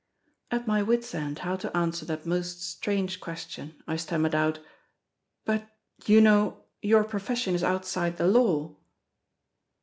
At my wits' end how to answer that most strange question, I stammered out: "But, you know, your profession is outside the law."